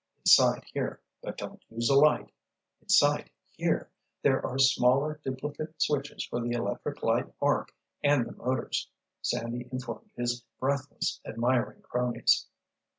"Inside here—but don't use a light—inside here, there are smaller duplicate switches for the electric light arc and the motors," Sandy informed his breathless, admiring cronies.